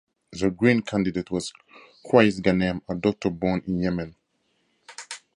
The Green candidate was Qais Ghanem, a doctor, born in Yemen.